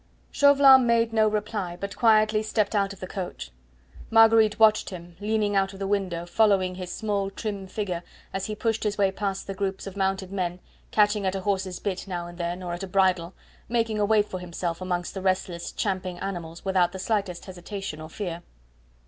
Chauvelin made no reply, but quietly stepped out of the coach. Marguerite watched him, leaning out of the window, following his small trim figure as he pushed his way past the groups of mounted men, catching at a horse's bit now and then, or at a bridle, making a way for himself amongst the restless, champing animals, without the slightest hesitation or fear.